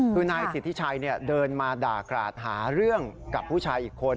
คือนายสิทธิชัยเดินมาด่ากราดหาเรื่องกับผู้ชายอีกคน